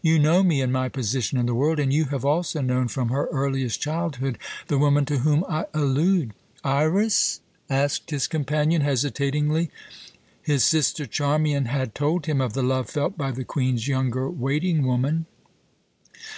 "You know me and my position in the world, and you have also known from her earliest childhood the woman to whom I allude." "Iras?" asked his companion, hesitatingly. His sister, Charmian, had told him of the love felt by the Queen's younger waiting woman.